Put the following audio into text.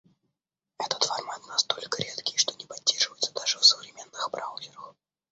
Этот формат настолько редкий, что не поддерживается даже в современных браузерах.